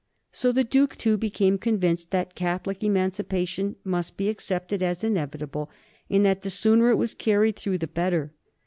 So the Duke, too, became convinced that Catholic Emancipation must be accepted as inevitable, and that the sooner it was carried through the better.